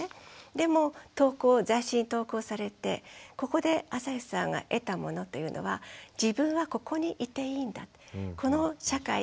でも雑誌に投稿されてここであさひさんが得たものというのは自分はここに居ていいんだこの社会